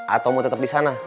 atau mau tetap di sana